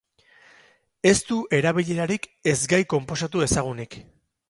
Ez du erabilerarik ez gai konposatu ezagunik.